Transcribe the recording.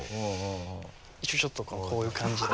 一応ちょっとこういう感じで。